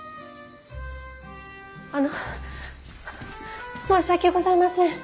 あの申し訳ございません！